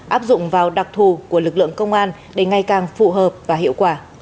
áp dụng vào đặc thù của lực lượng công an để ngày càng phù hợp và hiệu quả